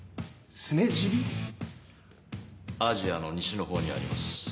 アジアの西のほうにあります。